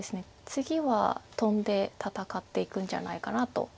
次はトンで戦っていくんじゃないかなと。